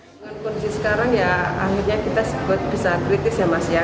dengan kondisi sekarang ya akhirnya kita bisa kritis ya mas ya